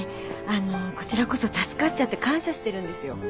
あのうこちらこそ助かっちゃって感謝してるんですよ。